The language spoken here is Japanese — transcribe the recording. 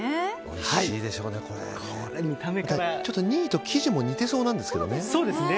２位と生地も似てそうなんですけどね。